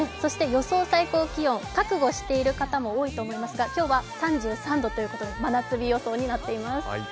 予想最高気温、覚悟している方も多いと思いますが今日は３３度ということで、真夏日予想になっています。